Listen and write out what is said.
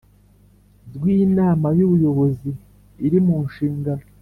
Rw inama y ubuyobozi iri mu nshingano